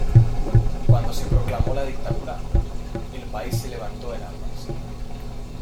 Cuando se proclamó la dictadura, el país se levantó en armas.